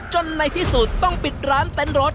ในที่สุดต้องปิดร้านเต็นต์รถ